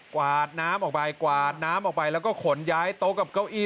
วาดน้ำออกไปกวาดน้ำออกไปแล้วก็ขนย้ายโต๊ะกับเก้าอี้